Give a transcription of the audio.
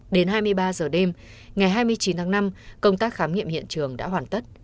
đến hai mươi ba giờ đêm ngày hai mươi chín tháng năm công tác khám nghiệm hiện trường đã hoàn tất